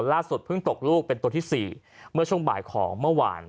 ล่าสุดเพิ่งตกลูกเป็นตัวที่๔เมื่อช่วงบ่ายของเมื่อวาน